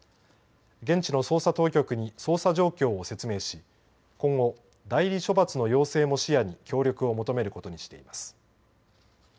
現地の捜査当局に捜査状況を説明し今後、代理処罰の要請も視野に協力を求めることにしています。